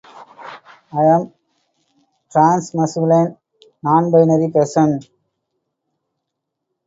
I am a transmasculine nonbinary person.